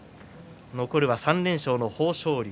残るは３連勝の豊昇龍。